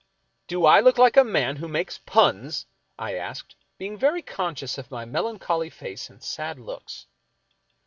" Do I look like a man who makes puns ?" I asked, being very conscious of my melancholy face and sad looks.